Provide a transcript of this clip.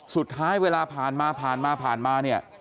สุดท้ายเวลาผ่านมาผ่านมาผ่านมาเนี่ย